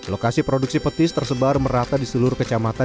lokasi produksi petis tersebar merata di seluruh kecamatan